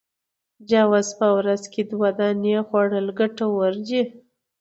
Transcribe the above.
جوز په ورځ کي دوې دانې خوړل ګټور دي